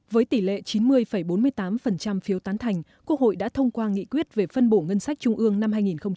với tỷ lệ chín mươi bốn mươi tám phiếu tán thành quốc hội đã thông qua nghị quyết về phân bổ ngân sách trung ương năm hai nghìn hai mươi